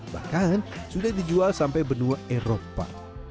bahkan sudah dijual sampai benua eropa